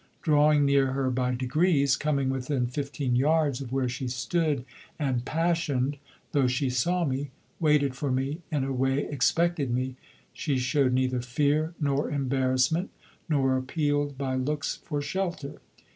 Drawing near her by degrees, coming within fifteen yards of where she stood and passioned, though she saw me, waited for me, in a way expected me, she showed neither fear nor embarrassment, nor appealed by looks for shelter.